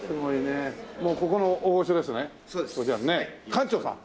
館長さん？